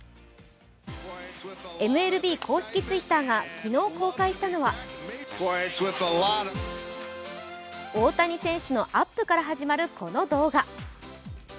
ＭＬＢ公式Ｔｗｉｔｔｅｒが昨日、公開したのは大谷選手のアップから始まるこの動画。